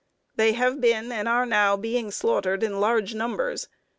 They have been and are now being slaughtered in large numbers.